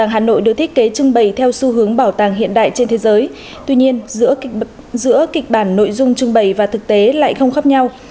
hà nội được thiết kế trưng bày theo xu hướng bảo tàng hiện đại trên thế giới tuy nhiên giữa kịch bản nội dung trưng bày và thực tế lại không khác nhau